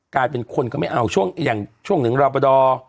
กลายเป็นคนก็ไม่เอาช่วงอย่างช่วงหนึ่งรอบ